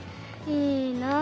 いいなあ。